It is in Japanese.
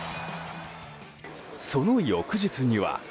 その翌日には。